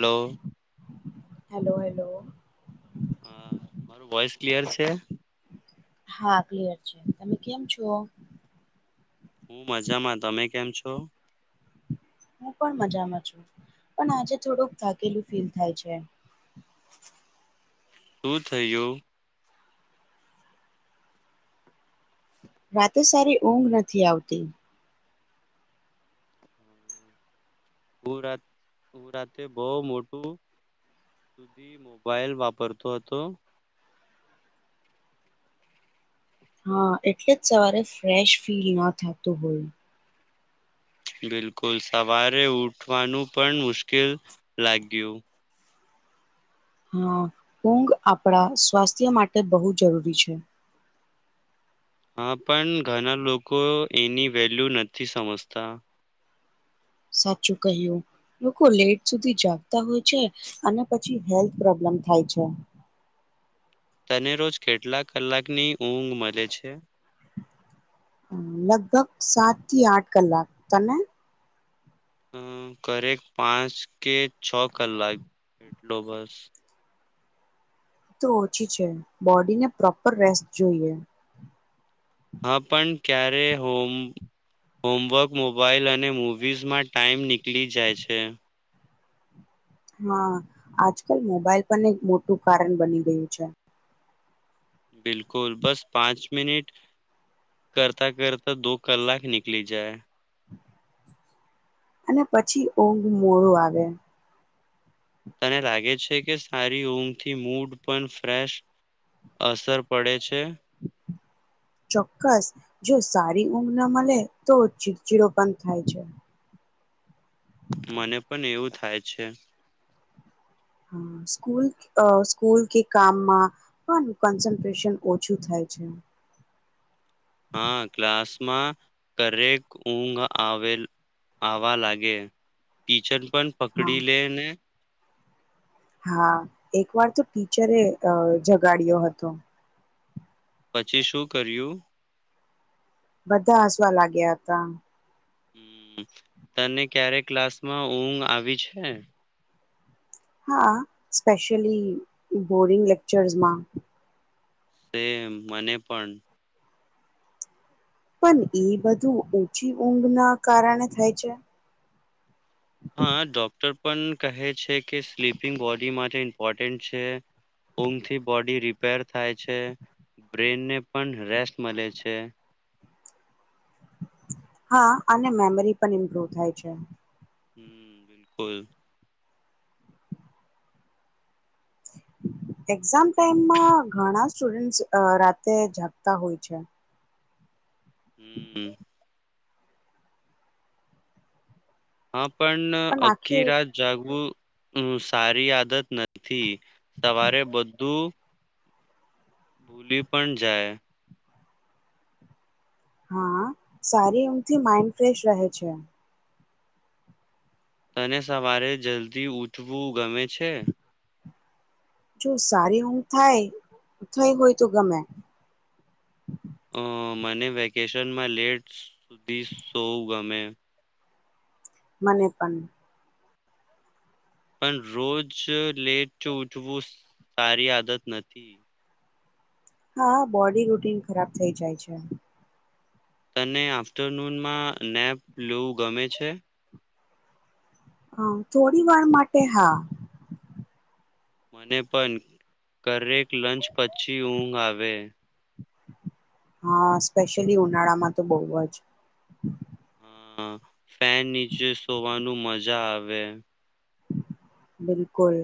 હાલો. Hello hello. હા મારું voice clear છે? હા ક્લિયર છે, તમે કેમ છો? હું મજામાં તમે કેમ છો હું પણ મજામાં છું પણ આજે થોડુંક થાકેલું ફીલ થાય છે. શું થયું રાતે સારી ઊંઘ નથી આવતી [inaudible] રાતે બો મોટું સુધી મોબાઈલ વાપરતો હતો હા એટલે જ સવારે ફ્રેશ ફીલ ના થતું હોય બિલકુલ સવારે ઉઠવાનું પણ મુશ્કેલ લાગ્યું હા ઊઘ આપણા સ્વાસ્થ્ય માટે બહુ જરૂરી છે. હા પણ ઘણા લોકો એની વેલ્યુ નથી સમજતા સાચું કહ્યું લોકો લેટ સુધી જાગતા હોય છે અને પછી હેલ્થ પ્રોબ્લમ થાય છે તને રોજ કેટલા કલાકની ઊંઘ મલે છે. લગભગ સાત થી આઠ કલાક તને અ કરે પાંચ કે છ કલાક ડોબસ તો ઓછી છે બોડીને પ્રોપર રેસ્ટ જોઈએ હા પણ ક્યારેય હોમ હોમવર્ક મોબાાઈલ અને મૂવીઝમાં ટાઈમ નીકળી જાય છે. હા આજકાલ મોબાઈલ પણ એક મોટું કારણ બની ગયું છે. બિલકુલ બસ પાંચ મિનિટ કરતા કર તો દો કલાક નિકલી જાય અને પછી ઊંઘ મોડું આવે તને લાગે છે કે સારી ઊંઘથી મૂડ પણ ફ્રેશ અસર પડે છે. ચોક્કસ જો સારી ઊંઘ ન મલે તો ચીડચીડો પણ થાય છે. મને પન એવું થાય છે. હ સ્કૂલ અ સ્કૂલ કે કામમાં કન્સન્ટ્રેશન ઓછું થાય છે. હા ક્લાસમાં કરેક ઊંઘ આવે આવવા લાગે ટીચર પણ હા પકડી લે ને હા એક વાર તો ટીચરે અ જગાડ્યો હતો પછી શું કર્યું બધા હસવા લાગ્યા હતા તને ક્યારે ક્લાસમાં ઊંઘ આવી છે. હા સ્પેશેશયલી બોરિંગ લેક્ચર્સમાં સેમ મને પણ પણ એ બધું ઓછી ઊંઘના કારણે થાય છે. હા ડોક્ટર પણ કહે છે કે સ્લીપિંગ બોડી માટે ઇમ્પોર્ટન્ટ છે ઓમથી બોડી રિપેર થાય છે બ્રેનને પણ રેસ્ટ મલે છે. હા અને મેમરી પણ ઇમ્પ્રુવ થાય છે. હમ એક્ઝામ ટાઈમમાં ઘણા સ્ટુડન્ટ્રસ અ રાતે જાગતા હોય છે. હમ્મ હા પણ અખ્ખી રાત જાગવું હમ સારી આદત નથી, સવારે બધું ભૂલી પણ જાય. હા, સારી એઊમથી માઈન્ડ ફ્રેશ રહે છે. તને સવારે જલ્દી ઉઠવું ગમે છે? જો સારી હું થાય થઈ હોય તો ગમે. અ મને વેકેશનમાં લેટ સુધી સવુ ગમે. મને પણ. પણ રોજ લેટ ઉઠવું સારી આદત નથી. હા બોડી રૂટીન ખરાબ થઇ જાય છે. તને આફ્ટરનૂનમાં નેપ લેવું ગમે છે? હમ થોડી વાર માટે હા. મને પણ, ઘરેક લંચ પછી ઊંઘ આવે. હા સ્પેશિયલી ઉનાળામાં તો બહુ જ. હા ફેન નીચે સોવાનું મજા આવે. બિલકુલ.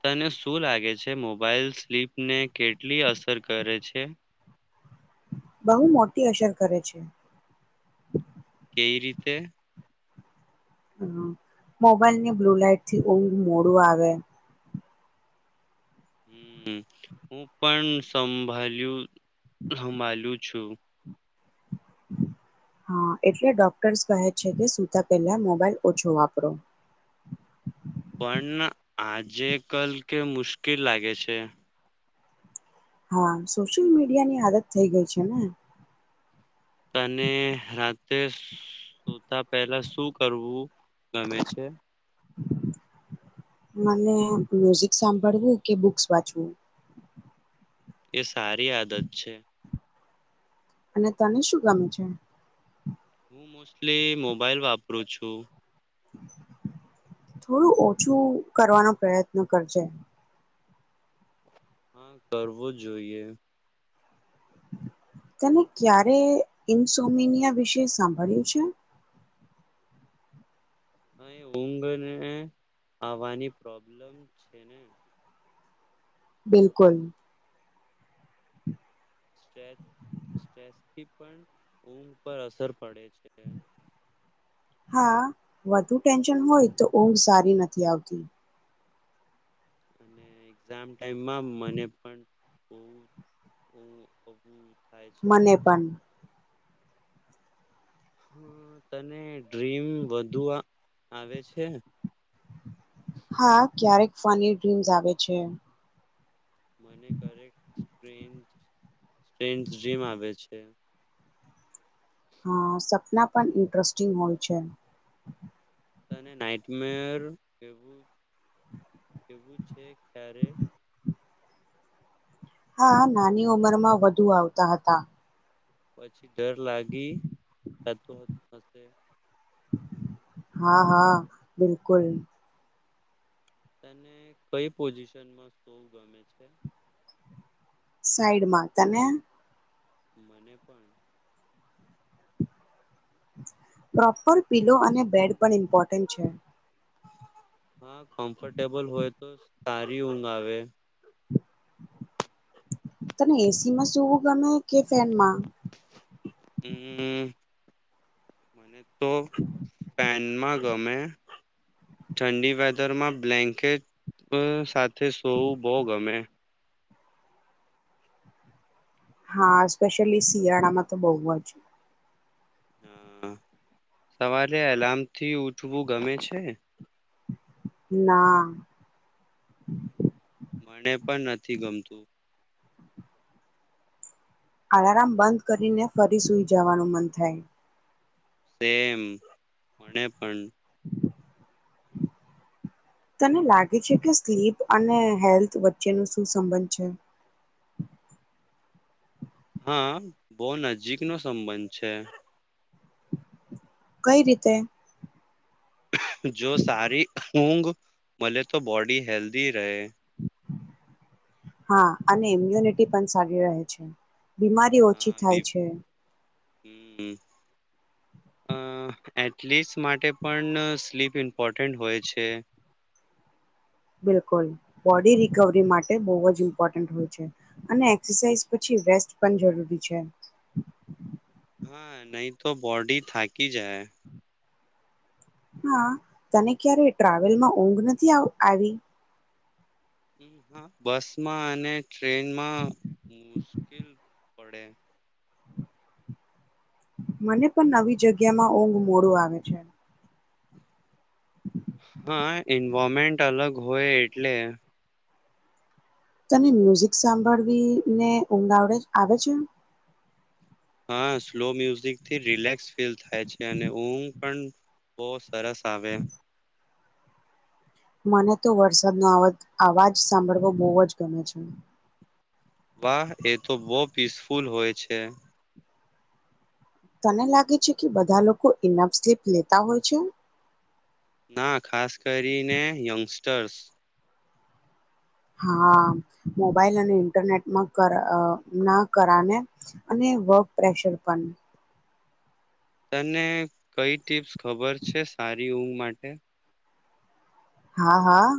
તને શું લાગે છે મોબાઈલ સ્લીપ ને કેટલી અસર કરે છે. બહુ મોટી અસર કરે છે. કઈ રીતે? હ મોબાઈલની બ્લુ લાઈટ થી ઊંઘ મોડું આવે. હમ હું પણ સંભળ્યું સંભળું છું. હા એટલે ડોક્ટર્સ કહે છે કે સૂતા પહેલા મોબાાઈલ ઓછો વાપરો. પણ આજે કલ કે મુશ્કેલ લાગે છે. હા સોશિયલ મીડિયા ની આદત થઈ ગઈ છે ને. તને રાતે સોતા પહેલા શું કરવું ગમે છે? મને મ્યુઝિક સાંભળવું કે બુક્સ વાંચવું. એ સારી આદત છે. અને તને શું ગમે છે? હું મોસ્ટલી મોબાઈલ વાપરું છું. થોડું ઓછું કરવાનો પ્રયત્ન કરજે. હા કરવું જોઈએ. તેને ક્યારે ઇન્સોમિનિયા વિશે સાંભળ્યું છે? અહી ઊંઘને આવવાની પ્રોબ્લેમ છે ને. બિલકુલ. સ્ટ્રેસ સ્ટ્રેસથી પણ ઊંઘ પર અસર પડે છે. હા વધુ ટેન્શન હોય તો ઊઘ સારી નથી આવતી. અને એક્ઝામ ટાઈમમાં મને પણ બોવ બોવ [unintelligible] મને પન. હા તને ડ્રીમ વધુ આવે છે? હા ક્યારેક ફની ડ્રીમ્સ આવે છે. મને કરેક સટ્રેન સટ્રેન ડ્રીમ આવે છે. હા સપના પણ ઇન્ટરેસ્ટિંગ હોય છે. તને નાઈટમેર એવું એવું છે ક્યારે? હા નાની ઉંમર માં વધુ આવતા હતા. પછી ડર લાગી જતું હતું. હા હા બિલકુલ. તને કઈ પોઝિશનમાં સૂવુ ગમે છે? સાઈડમાં, તને? મને પણ પ્રોપર પિલો અને બેડ પણ ઇમ્પોર્ટન્ટ છે. હા કમ્ફર્ટેબલ હોય તો સારી ઊંઘ આવે. તને એ સી માં સુવું ગમે કે ફેનમાં? હમ્મ, મને તો ફેનમાં ગમે ઠંડી વેધરમાં બ્લેન્કેટ સાથે સૂવું બહુ ગમે હા, સ્પેશિયલી શિયાળામાં તો બોવ જ હા સવારે અલાર્મથી ઉઠવું ગમે છે? ના. મને પણ નથી ગમતું. અલાર્મ બંધ કરીને ફરી સુઈ જવાનું મન થાય. સેમ મને પન. તને લાગે છે કે સ્લીપ અને હેલ્થ વચ્ચેનો શું સંબંધ છે? હા બો નજીકનો સંબંધ છે. કઈ રીતે? જો સારી ઊઘ મલે તો બોડી હેલ્ધી રેય. હા અને ઇમ્યુનિટી પણ સારી રહે છે. બીમારી ઓછી થાય છે. હમ્મ, અ એથલીટ્સ માટે પણ સ્લીપ ઇમ્પોર્ટન્ટ હોય છે. બિલકુલ, બોડી રિકવરી માટે બોવ જ ઇમ્પોર્ટન્ટ હોય છે અને એક્સરસાઇઝ પછી રેસ્ટ પણ જરૂરી છે. હા નહીં તો બોડી થાકી જાય હા તને ક્યારે ટ્રાવેલમાં ઊંઘ નથી આ આવી? હા, બસમાં અને ટ્રેનમાં મુશ્કેલ પડે. મને પન નવી જગ્યામાં ઊંઘ મોડું આવે છે. હા એન્વારમેન્ટ અલગ હોય એટલે તને મ્યુઝિક સાંભળવીને ઊંઘ આવડે આવે છે? હા સ્લો મ્યુઝિકથી રિલેક્સ ફીલ થાય છે અને ઊંઘ પણ બો સરસ આવે. મને તો વરસાદનો અવાજ આવાજ સાંભળવો બહુ જ ગમે છે. વાહ એ તો બહુ પીસફુલ હોય છે. તને લાગે છે કે બધા લોકો ઇનફ સ્લીપ લેતા હોય છે? ના ખાસ કરીને યંગસ્ટર્સ હા મોબાઈલ અને ઇન્ટરનેટમાં કર અ ના કરાને અને વર્ક પ્રેશર પણ તને કઈ ટીપ્સ ખબર છે સારી ઊંઘ માટે? હા હા.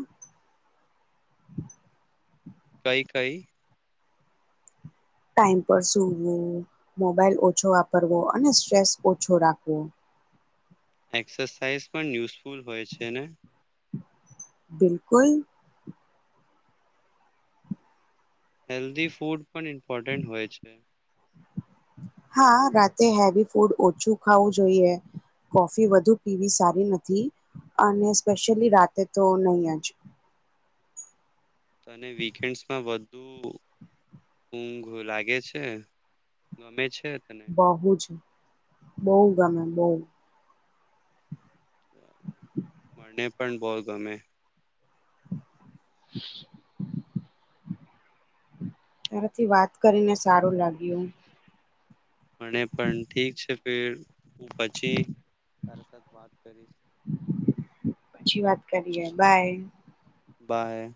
કઈ-કઈ? ટાઈમ પર સુવો, મોબાઈલ ઓછો વાપરવો અને સ્ટ્રેસ ઓછો રાખવો. એક્સરસાાઈઝ પણ યુઝફુલ હોય છે ને? બિલકુલ. હેલ્દી ફૂડ પણ ઇમ્પોર્ટન્ટ હોય છે. હા રાતે હેવી ફૂડ ઓછું ખાવું જોઈએ કોફી વધુ પીવી સારી નથી અને સ્પેશિયલી રાતે તો નહી જ. તને વીકેન્ડમાં વધુ ઊઘ લાગે છે ગમે છે. તને બહુ જ બહુ ગમે બહુ. મને પણ બહ ગમે. [inaudible] તારથી વાત કરીને સારું લાગ્યું. મને પણ ઠીક છે ફે હું પછી [inaudible] પછી વાત કરીએ બાય. બાય.